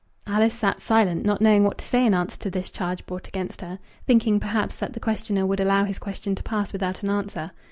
Alice sat silent, not knowing what to say in answer to this charge brought against her, thinking, perhaps, that the questioner would allow his question to pass without an answer.